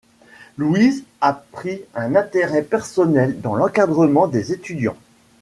Louise a pris un intérêt personnel dans l'encadrement des étudiants.